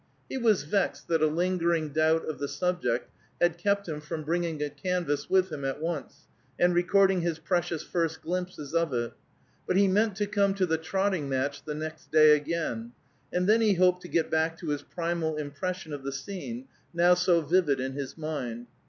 He was vexed that a lingering doubt of the subject had kept him from bringing a canvas with him at once, and recording his precious first glimpses of it. But he meant to come to the trotting match the next day again, and then he hoped to get back to his primal impression of the scene, now so vivid in his mind.